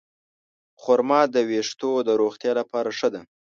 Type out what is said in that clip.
خرما د ویښتو د روغتیا لپاره ښه ده.